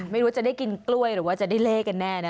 ไม่รู้จะได้กินกล้วยหรือว่าจะได้เลขกันแน่นะ